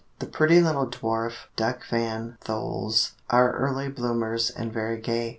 The pretty little dwarf Duc Van Thols are early bloomers and very gay.